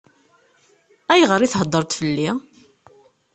Ayɣer i theddṛeḍ fell-i?